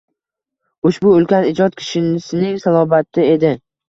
Ushbu ulkan ijod kishisining salobatiedi.